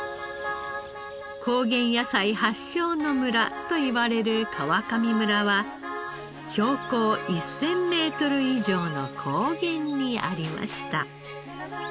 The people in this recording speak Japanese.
「高原野菜発祥の村」といわれる川上村は標高１０００メートル以上の高原にありました。